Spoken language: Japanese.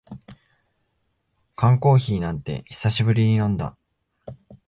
缶コーヒーなんて久しぶりに飲んだ